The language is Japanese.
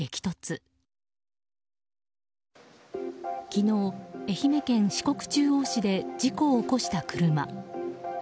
昨日、愛媛県四国中央市で事故を起こした車。